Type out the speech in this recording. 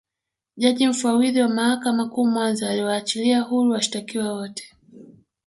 Jaji Mfawidhi wa Mahakama Kuu Mwanza aliwaachilia huru washitakiwa wote